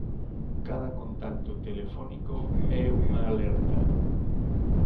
Cada contacto telefónico é unha alerta.